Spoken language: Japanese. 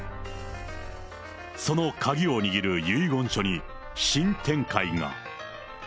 その鍵を握る遺言書に新展開が。